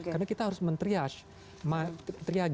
karena kita harus men triage